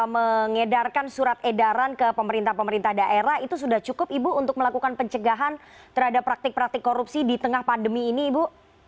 mengedarkan surat edaran ke pemerintah pemerintah daerah itu sudah cukup ibu untuk melakukan pencegahan terhadap praktik praktik korupsi di tengah pandemi ini ibu